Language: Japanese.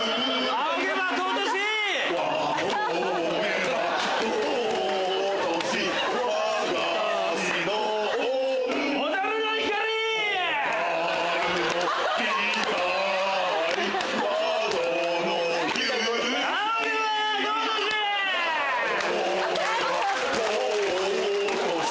仰げば尊し